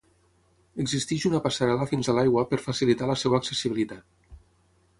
Existeix una passarel·la fins a l’aigua per facilitar la seva accessibilitat.